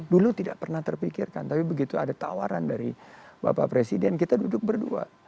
dulu tidak pernah terpikirkan tapi begitu ada tawaran dari bapak presiden kita duduk berdua